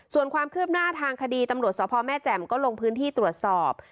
ส่วนความคืบหน้าทางคดีตำรวจสพแม่แจ่มก็ลงพื้นที่ตรวจสอบ